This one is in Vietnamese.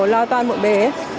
lo toan muộn bế